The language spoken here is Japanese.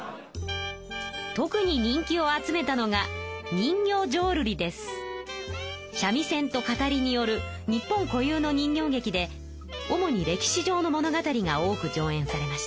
特に人気を集めたのが三味線と語りによる日本固有の人形劇で主に歴史上の物語が多く上演されました。